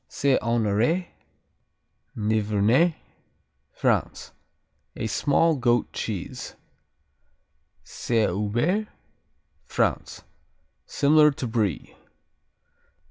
Saint Honoré Nivernais, France A small goat cheese. Saint Hubert France Similar to Brie.